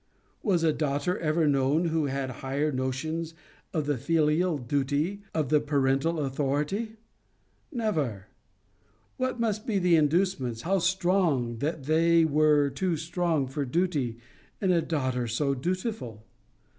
Was a daughter ever known who had higher notions of the filial duty, of the parental authority? Never. 'What must be the inducements, how strong, that were too strong for duty, in a daughter so dutiful?